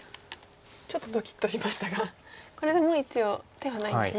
ちょっとドキッとしましたがこれでも一応手はないんですね。